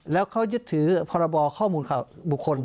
แล้วเขายึดถือพอรบข้อมูลข้อมูลควร